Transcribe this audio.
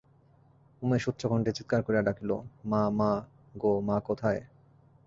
উমেশ উচ্চকণ্ঠে চীৎকার করিয়া ডাকিল, মা, মা গো, মা কোথায়?